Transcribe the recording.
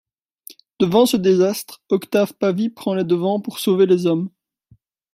Devant ce désastre, Octave Pavy prend les devants pour sauver les hommes.